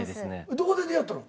どこで出会ったの？